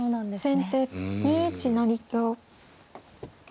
先手２一成香。